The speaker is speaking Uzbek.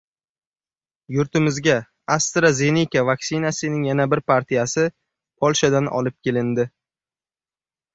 Yurtimizga AstraZeneca vaksinasining yana bir partiyasi Polshadan olib kelindi